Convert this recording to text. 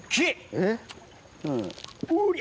えっ！